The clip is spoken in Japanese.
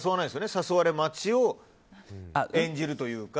誘われ待ちを演じるというか。